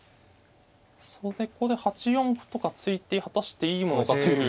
そこで８四歩とか突いて果たしていいものかという。